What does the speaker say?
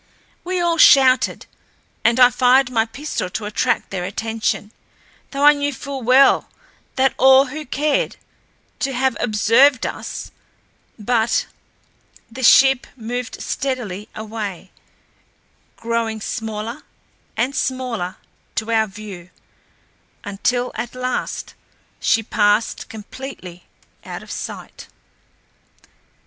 We all shouted, and I fired my pistol to attract their attention, though I knew full well that all who cared to had observed us, but the ship moved steadily away, growing smaller and smaller to our view until at last she passed completely out of sight.